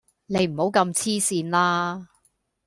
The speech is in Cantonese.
你唔好咁痴線啦